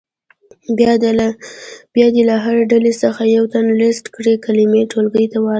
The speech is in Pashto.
بیا دې له هرې ډلې څخه یو تن لیست کړې کلمې ټولګي ته ولولي.